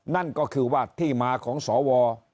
นั่นก็คือว่าที่มาของสว